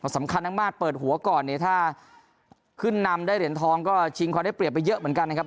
สำคัญมากเปิดหัวก่อนเนี่ยถ้าขึ้นนำได้เหรียญทองก็ชิงความได้เปรียบไปเยอะเหมือนกันนะครับ